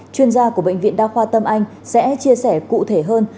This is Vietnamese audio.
chuyên gia của bệnh viện đa khoa tâm anh sẽ chia sẻ cụ thể hơn